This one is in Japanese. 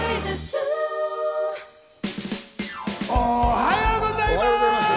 おはようございます！